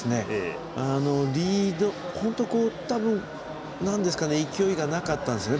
リード、多分勢いがなかったんですね。